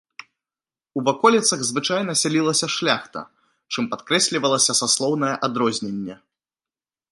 У ваколіцах звычайна сялілася шляхта, чым падкрэслівалася саслоўнае адрозненне.